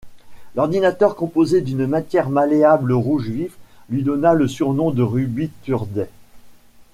L'ordinateur composé d'une matière malléable rouge vif lui donna le surnom de Ruby Thursday.